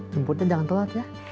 jemputnya jangan telat ya